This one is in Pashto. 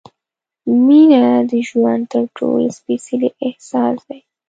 مینه د ژوند تر ټولو سپېڅلی احساس دی.